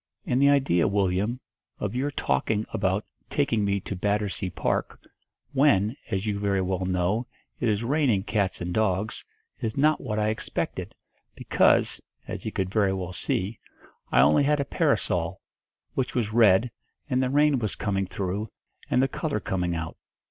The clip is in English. And the idea, Willyum, of your talking about taking me to Battersea Park, when, as you very well know, it is raining cats and dogs, is not what I expected' because, as he could very well see, I only had a parasol, which was red, and the rain was coming through, and the colour coming out.